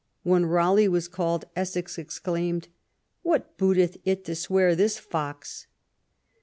When Raleigh was called, Essex exclaimed: What booteth it to swear this fox